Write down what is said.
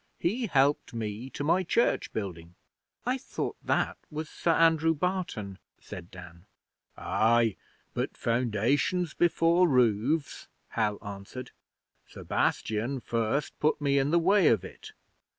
He helped me to my church building.' 'I thought that was Sir Andrew Barton,' said Dan. 'Ay, but foundations before roofs,' Hal answered. 'Sebastian first put me in the way of it.